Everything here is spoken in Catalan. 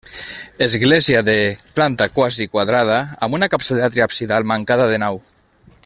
Església de planta quasi quadrada amb una capçalera triabsidal mancada de nau.